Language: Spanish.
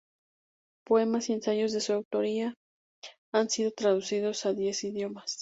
Poemas y ensayos de su autoría han sido traducidos a diez idiomas.